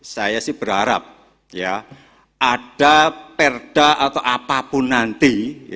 saya sih berharap ada perda atau apapun nanti